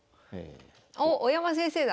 おっ大山先生だ！